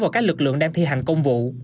và các lực lượng đang thi hành công vụ